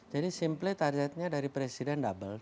jadi simple targetnya dari presiden double